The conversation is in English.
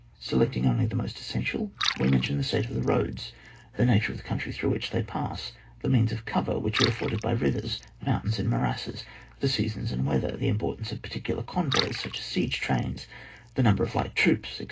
Selecting only the most essential, we mention the state of the roads, the nature of the country through which they pass, the means of cover which are afforded by rivers, mountains, and morasses, the seasons and weather, the importance of particular convoys, such as siege trains, the number of light troops, etc.